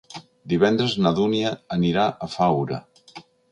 Divendres na Dúnia anirà a Faura.